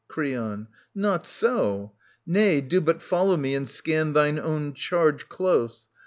Creon. Not so ! Nay, do but follow me and scan Thine own charge close.